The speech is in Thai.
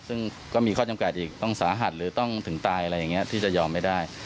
ซึ่งก็มีข้อจำกัดอีกต้องสาหัสหรือต้องถึงตายอะไรอย่างนี้ที่จะยอมไม่ได้